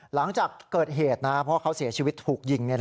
หลังจากเกิดเหตุพ่อเขาเสียชีวิตถูกยิง